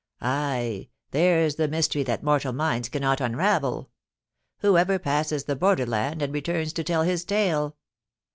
* Ay ! there's the mystery that mortal minds cannot unravel. Who ever passes the border land, and returns to tell his tale